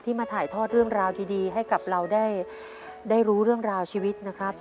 มาถ่ายทอดเรื่องราวดีให้กับเราได้รู้เรื่องราวชีวิตนะครับ